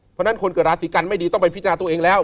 เพราะฉะนั้นคนเกิดราศีกันไม่ดีต้องไปพิจารณาตัวเองแล้ว